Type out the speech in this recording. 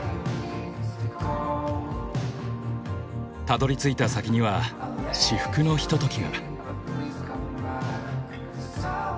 たどりついた先には至福のひとときが。